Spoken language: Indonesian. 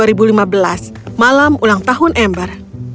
hari itu satu desember dua ribu lima belas malam ulang tahun amber